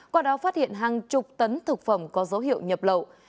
qua đó phát hiện hàng chục tấn thực phẩm có dấu hiệu nhập lậu